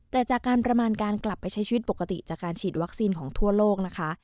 แต่จากการประมาณการกลับไปใช้ชีวิตปกติจากการฉีดวัคซีนของทั่วโลกนะคะ